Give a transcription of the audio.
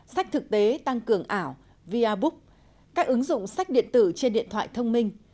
sách thực tế tăng cường ảo via book các ứng dụng sách điện tử trên điện thoại thông minh